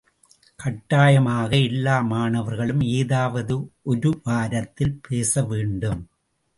கட்டாயமாக எல்லா மாணவர்களும் ஏதாவது ஒரு வாரத்தில் பேச வேண்டும்.